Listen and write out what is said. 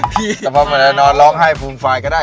แต่พอมานานอรร้องห้ายฟูมฟายก็ได้